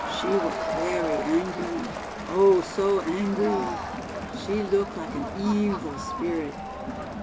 She was very angree. Oh, so angree! She look like an eevil spirit."